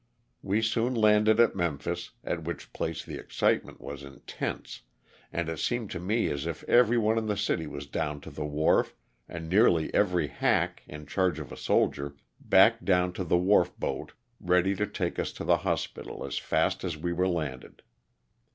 We soon landed at Memphis, at which place the excitement was intense, and it seemed to me as if every one in the city was down to the wharf and nearly every hack, in charge of a soldier, backed down to the wharf boat ready to take us to the hospital as fast as we were landed.